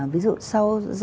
ví dụ sau rau sơm